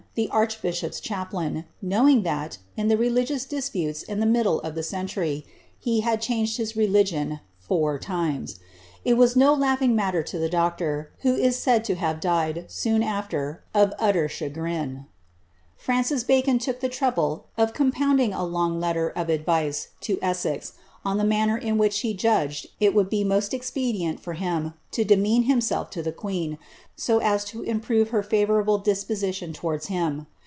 the arrhbbhop'i chaplain, knowing thai, in the religious disputes in ihe middle of ihc century, he liad changed his religion four limes. It was no laughing ELIZABBTH. 161 Utter to the doctor, who is said to have died, soon after, of utter chagrinJ Francis Bacon took the trouble of compounding a long letter of advice to Essex, on the manner in which he judged it would be most expedient for him to demean himself to the queen, so as to improve her favourable disposition towards him.